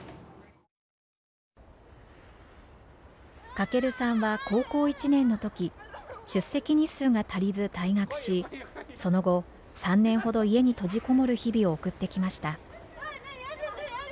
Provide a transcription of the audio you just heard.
翔さんは高校１年の時出席日数が足りず退学しその後３年ほど家に閉じこもる日々を送ってきました。